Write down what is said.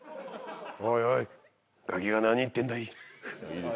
おいおいがきが何言ってんだい。